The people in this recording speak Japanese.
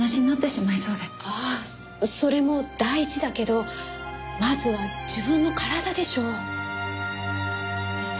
あそれも大事だけどまずは自分の体でしょう。